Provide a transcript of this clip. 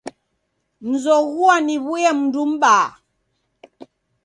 Nzoghua naw'uya mndu m'baa.